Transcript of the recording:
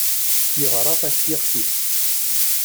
Yeɣra ɣef yixef-is.